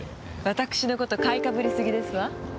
私の事買いかぶりすぎですわ。